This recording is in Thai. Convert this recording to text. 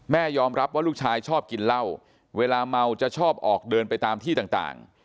ยอมรับว่าลูกชายชอบกินเหล้าเวลาเมาจะชอบออกเดินไปตามที่ต่าง